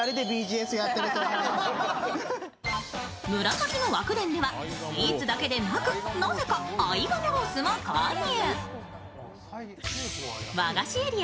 紫野和久傅ではスイーツだけではなくなぜか合鴨ロースも購入。